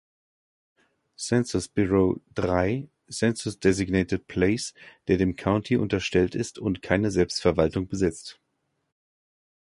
Census Bureau drei Census-designated place, der dem County unterstellt ist und keine Selbstverwaltung besitzt.